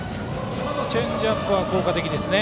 あのチェンジアップは効果的ですね。